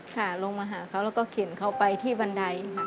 ค่ะลงมาหาเขาแล้วก็เข็นเขาไปที่บันไดค่ะ